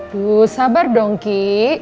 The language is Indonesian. duh sabar dong ki